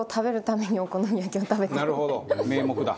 なるほど名目だ。